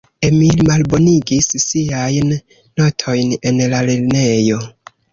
Emil malbonigis siajn notojn en la lernejo.